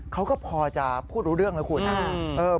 เขาก็พอจะพูดรู้เรื่องนะคุณนะ